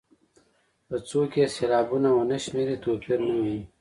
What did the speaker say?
که څوک یې سېلابونه ونه شمېري توپیر نه ویني.